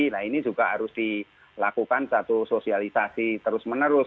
nah ini juga harus dilakukan satu sosialisasi terus menerus